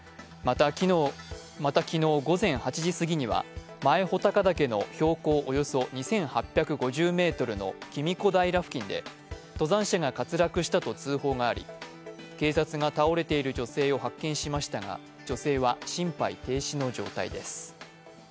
また、昨日午前８時過ぎには前穂高岳の標高およそ２８５０ｍの紀美子平付近で登山者が滑落したと通報があり警察が倒れている女性を発見しましたが女性は心肺停止の状態です。